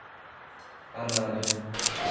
Anadia